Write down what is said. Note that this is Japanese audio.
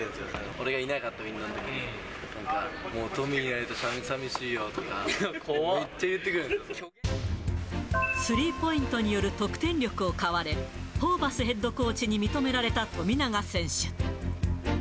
俺がいなかったら、なんか、トミーがいないとさみしいよとか、スリーポイントによる得点力を買われ、ホーバスヘッドコーチに認められた富永選手。